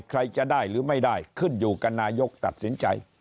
ใครจะได้หรือไม่ได้ขึ้นอยู่กับนายกตัดสินใจ